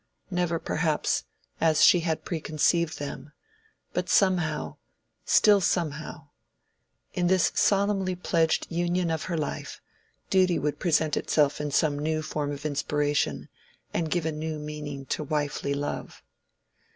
Never perhaps, as she had preconceived them; but somehow—still somehow. In this solemnly pledged union of her life, duty would present itself in some new form of inspiration and give a new meaning to wifely love.